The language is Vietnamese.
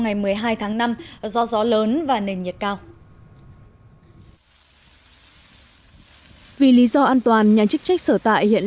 ngày một mươi hai tháng năm do gió lớn và nền nhiệt cao vì lý do an toàn nhà chức trách sở tại hiện